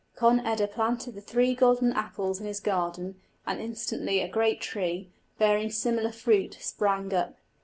Conn eda planted the three golden apples in his garden, and instantly a great tree, bearing similar fruit, sprang up.